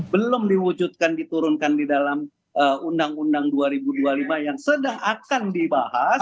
belum diwujudkan diturunkan di dalam undang undang dua ribu dua puluh lima yang sedang akan dibahas